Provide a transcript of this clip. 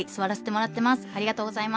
ありがとうございます。